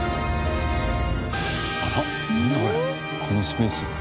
このスペース。